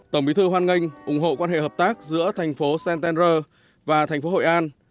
tổng bí thư hoan nghênh ủng hộ quan hệ hợp tác giữa thành phố centender và thành phố hội an